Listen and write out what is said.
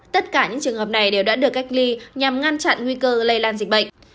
tất cả những trường hợp này đều đã được cách ly nhằm ngăn chặn nguy cơ lây lan dịch bệnh